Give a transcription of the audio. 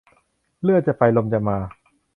เลือดจะไปลมจะมา